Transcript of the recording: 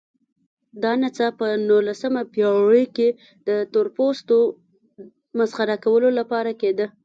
دا نڅا په نولسمه پېړۍ کې د تورپوستو مسخره کولو لپاره کېده.